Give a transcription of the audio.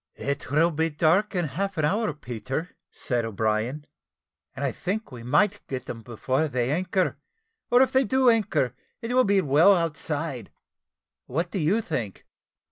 "It will be dark in half an hour, Peter," said O'Brien, "and I think we might get them before they anchor, or if they do anchor, it will be well outside. What do you think?"